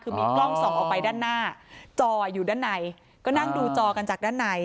คือมีกล้องส่องออกไปด้านหน้าจออยู่ด้านในก็นั่งดูจอกันจากด้านใน